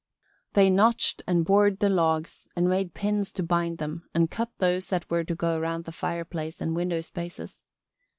They notched and bored the logs and made pins to bind them and cut those that were to go around the fireplace and window spaces.